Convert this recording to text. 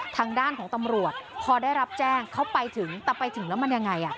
ทางด้านของตำรวจพอได้รับแจ้งเขาไปถึงแต่ไปถึงแล้วมันยังไง